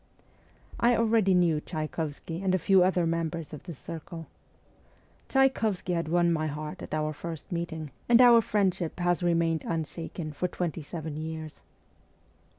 I already knew Tchaykovsky and a few other members of this circle. Tchaykovsky had won my heart at our first meeting, and our friendship has remained unshaken for twenty seven years.